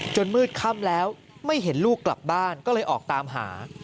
มืดค่ำแล้วไม่เห็นลูกกลับบ้านก็เลยออกตามหา